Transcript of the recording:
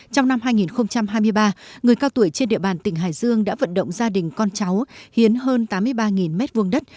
trong năm hai nghìn hai mươi ba người cao tuổi trên địa bàn tỉnh hải dương đã vận động gia đình con cháu hiến hơn tám mươi ba m hai đất